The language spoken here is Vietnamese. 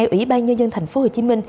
ủy ban nhân dân tp hcm